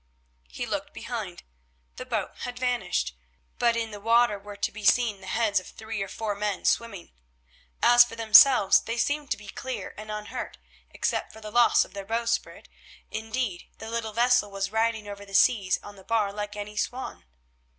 He looked behind. The boat had vanished, but in the water were to be seen the heads of three or four men swimming. As for themselves they seemed to be clear and unhurt, except for the loss of their bowsprit; indeed, the little vessel was riding over the seas on the bar like any swan.